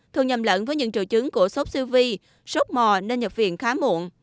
thường nhầm lẫn với những triệu chứng của sốt siêu vi sốt mò nên nhập viện khá muộn